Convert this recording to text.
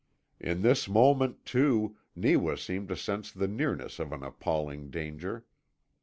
In this moment, too, Neewa seemed to sense the nearness of an appalling danger.